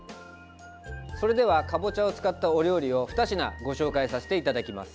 それではかぼちゃを使ったお料理を２品ご紹介させていただきます。